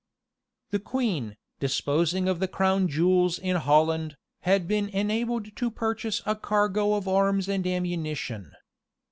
The queen, disposing of the crown jewels in Holland, had been enabled to purchase a cargo of arms and ammunition.